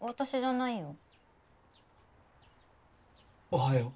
おはよう。